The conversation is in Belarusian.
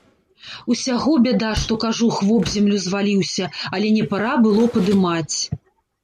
Усяго бяда, што кажух вобземлю зваліўся, але не пара было падымаць.